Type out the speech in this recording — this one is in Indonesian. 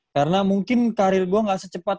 karena mungkin karir gue gak secepat